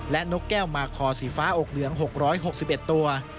และนกแก้วมาคอสีฟ้าอกเหลือง๖๖๑ตัว